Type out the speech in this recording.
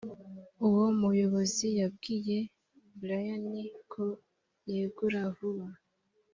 uwo muyobozi yabwiye brian ko yegura vuba